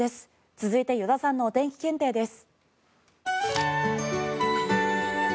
続いて依田さんのお天気検定です。